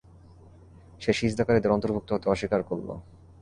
সে সিজদাকারীদের অন্তর্ভুক্ত হতে অস্বীকার করল।